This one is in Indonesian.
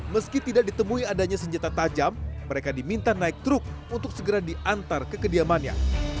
meski tidak ditemui adanya senjata tajam mereka diminta naik truk untuk segera diantar ke kediamannya